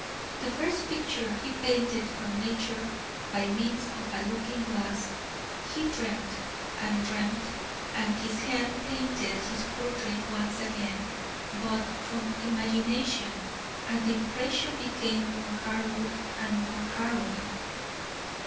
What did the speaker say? The first picture he painted from nature, by means of a looking glass. He dreamt and dreamt, and his hand painted his portrait once again, but from imagination, and the impression became more harrowed and more harrowing.